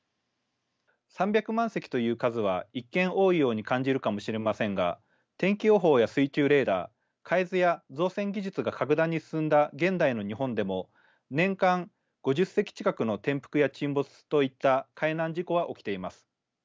３００万隻という数は一見多いように感じるかもしれませんが天気予報や水中レーダー海図や造船技術が格段に進んだ現代の日本でも年間５０隻近くの転覆や沈没といった海難事故は起きています。